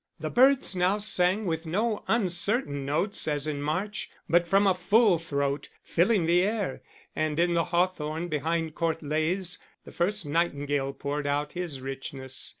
The birds now sang with no uncertain notes as in March, but from a full throat, filling the air; and in the hawthorn behind Court Leys the first nightingale poured out his richness.